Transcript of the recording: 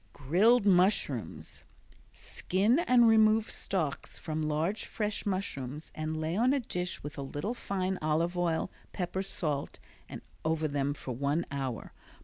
Grilled Mushrooms Skin and remove stalks from large fresh mushrooms and lay on a dish with a little fine olive oil, pepper, and salt, over them for one hour.